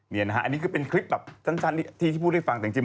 นี่นะฮะอันนี้คือเป็นคลิปแบบสั้นที่พูดให้ฟังแต่จริง